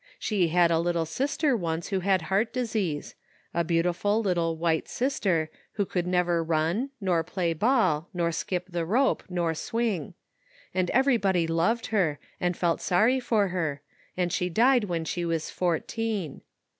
She had a little sister once who had heart disease — a beautiful little white sister, who could never run, nor play ball, nor skip the rope, nor swing ; and everybody loved her and felt sorry for her, and she died when she was fourteen.